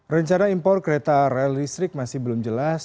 rencana impor kereta rel listrik masih belum jelas